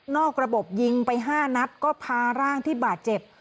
ระบบยิงไป๕นัดก็พาร่างที่บาดเจ็บ